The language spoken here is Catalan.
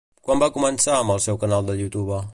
Quan va començar amb el seu canal de Youtube?